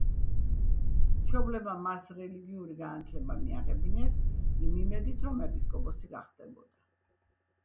მშობლებმა მას რელიგიური განათლება მიაღებინეს, იმ იმედით რომ ეპისკოპოსი გახდებოდა.